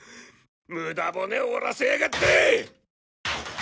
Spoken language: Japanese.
無駄骨折らせやがって！